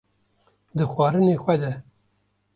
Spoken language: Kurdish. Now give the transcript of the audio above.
di xwarinên xwe de